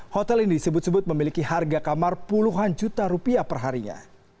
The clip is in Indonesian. hotel ini disebut sebut memiliki harga kamar puluhan juta rupiah perharinya